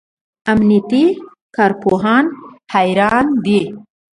امنیتي کارپوهان حیران دي.